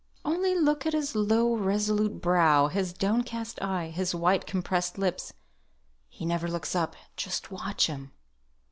"Only look at his low, resolute brow, his downcast eye, his white compressed lips. He never looks up, just watch him."